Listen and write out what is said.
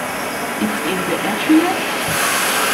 It's in the atria.